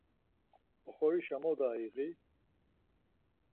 Oxorişa moda iği?